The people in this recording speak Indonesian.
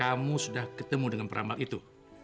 kamu sudah ketemu dengan peramal itu